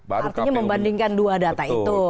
artinya membandingkan dua data itu